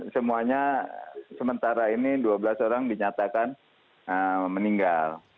semuanya sementara ini dua belas orang dinyatakan meninggal